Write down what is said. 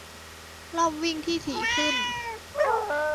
- รอบวิ่งที่ถี่ขึ้น